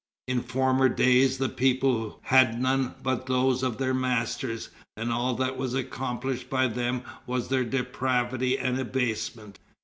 In former days the people had none but those of their masters, and all that was accomplished by them was their depravity and abasement.